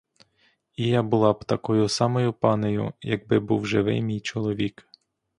І я була б такою самою панею, якби був живий мій чоловік.